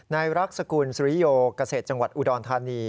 นายรักษกุลสุริโยเกษตรจังหวัดอุดรธานี